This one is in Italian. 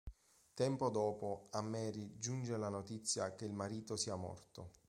Tempo dopo, a Mary giunge la notizia che il marito sia morto.